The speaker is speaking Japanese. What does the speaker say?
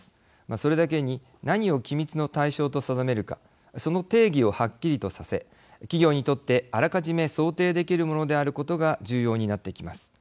それだけに何を機密の対象と定めるかその定義をはっきりとさせ企業にとって、あらかじめ想定できるものであることが重要になってきます。